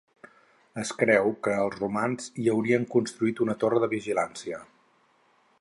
Es creu que els romans hi haurien construït una torre de vigilància.